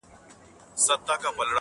چي یې بیا دی را ایستلی د ګور مړی-